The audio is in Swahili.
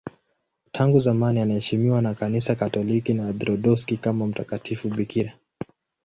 Tangu zamani anaheshimiwa na Kanisa Katoliki na Waorthodoksi kama mtakatifu bikira.